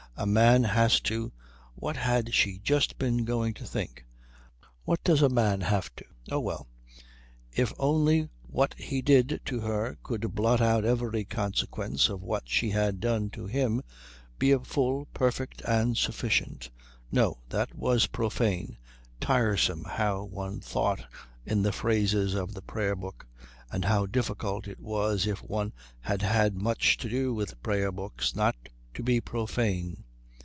A man has to what had she just been going to think? What does a man have to? Oh, well. If only what he did to her could blot out every consequence of what she had done to him, be a full, perfect, and sufficient no, that was profane; tiresome how one thought in the phrases of the Prayer book and how difficult it was if one had had much to do with prayer books not to be profane.